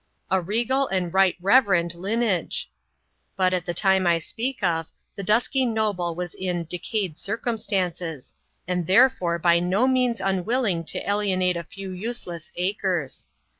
A regal and right reverend lineage ! But at the time I speak of, the dusky noble was in " decayed circumstances," and therefore by no means imwilling to alienate a few useless acres.